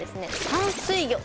淡水魚！